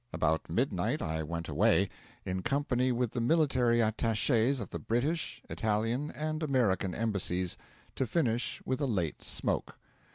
About midnight I went away, in company with the military attaches of the British, Italian, and American embassies, to finish with a late smoke.